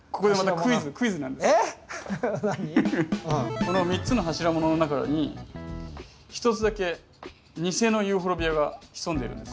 この３つの柱物の中に一つだけ偽のユーフォルビアが潜んでいるんです。